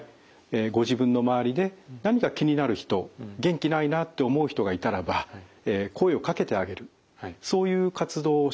ご自分の周りで何か気になる人元気ないなって思う人がいたらば声をかけてあげるそういう活動をしていく。